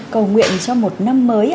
cầu nguyện cho một năm mới